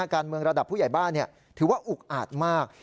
การเมืองระดับผู้ใหญ่บ้านถือว่าอุกอาจมาก